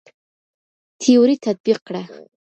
تيوري تطبيق کړه.